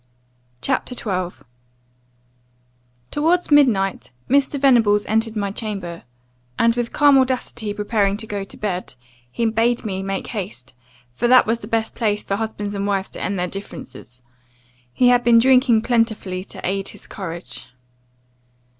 '" CHAPTER 12 "TOWARDS midnight Mr. Venables entered my chamber; and, with calm audacity preparing to go to bed, he bade me make haste, 'for that was the best place for husbands and wives to end their differences. He had been drinking plentifully to aid his courage.